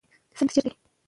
سند چیرته دی؟